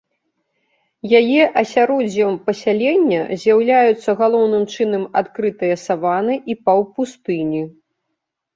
Яе асяроддзем пасялення з'яўляюцца галоўным чынам адкрытыя саваны і паўпустыні.